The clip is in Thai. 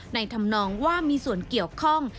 ทำนองว่ามีส่วนเกี่ยวข้อง